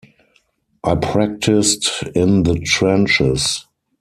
I practised in the trenches.